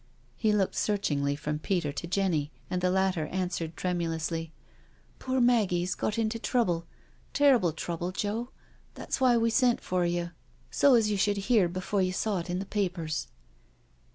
He looked searchingly from Peter to Jenny, and the latter answered tremulously: *' Poor Maggie's got into trouble — terrible trouble, Joe — that's why we sent for you, so as you should hear before you saw it in the papers."